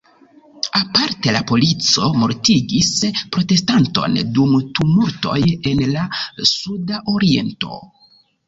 Aparte la polico mortigis protestanton dum tumultoj en la sudaoriento.